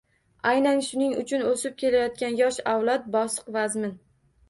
Aynan shuning uchun o‘sib kelayotgan yosh avlod bosiq-vazmin